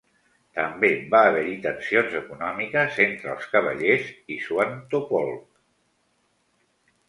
També va haver-hi tensions econòmiques entre els Cavallers i Swantopolk.